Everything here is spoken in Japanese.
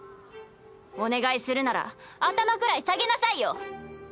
お願いするなら頭くらい下げなさいよ。